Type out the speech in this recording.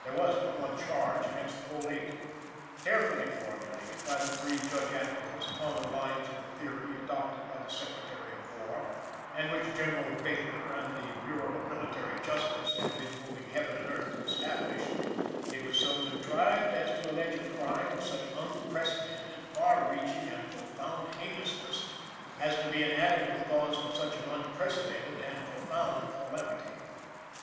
There was but one Charge against the whole eight. Carefully formulated by the three Judge Advocates upon the lines of the theory adopted by the Secretary of War, and which Gen. Baker and the Bureau of Military Justice had been moving heaven and earth to establish, it was so contrived as to allege a crime of such unprecedented, far reaching and profound heinousness as to be an adequate cause of such an unprecedented and profound calamity.